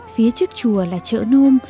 phía trước chùa là chợ nôm